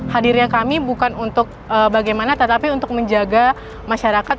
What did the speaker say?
hadirnya kami bukan untuk bagaimana tetapi untuk menjaga masyarakat